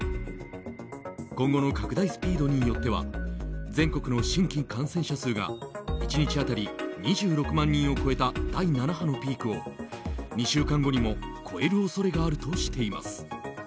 今後の拡大スピードによっては全国の新規感染者数が１日当たり２６万人を超えた第７波のピークを２週間後にも超える恐れがあるとしています。